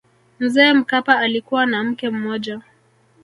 mzee mkapa alikuwa na mke mmoja